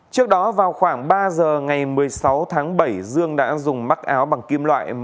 trước đó vào khoảng ba giờ ngày một mươi sáu tháng bảy dương đã dùng mặc áo bằng kim loại